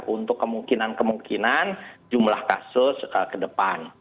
untuk kemungkinan kemungkinan jumlah kasus ke depan